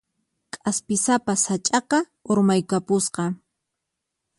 K'aspisapa sach'aqa urmaykapusqa.